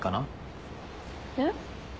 えっ？